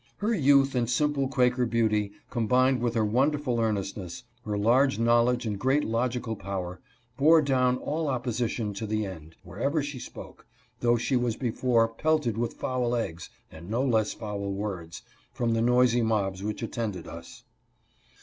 Her youth and simple Quaker beauty, combined with her wonderful earnestness, her large knowledge and great logical power, bore down all opposition to the end, wherever she spoke, though she was before pelted with foul eggs, and no less foul words, from the noisy mobs which attended us.